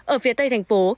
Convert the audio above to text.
ở phía tây thành phố